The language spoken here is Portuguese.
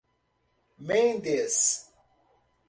Mendes